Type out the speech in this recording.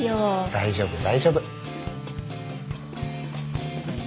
大丈夫大丈夫。